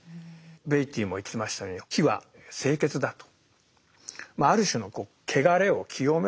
ベイティーも言ってましたように火は清潔だと。